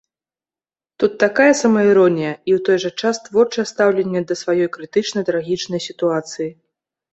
Тут такая самаіронія, і ў той жа час творчае стаўленне да сваёй крытычна-трагічнай сітуацыі.